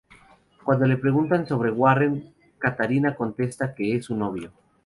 Cuando le pregunta sobre Warren, Katrina contesta que es su novio.